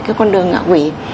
cái con đường ngạo quỷ